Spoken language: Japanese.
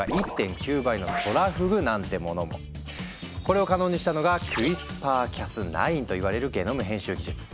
他にもこれを可能にしたのがクリスパー・キャスナインといわれるゲノム編集技術。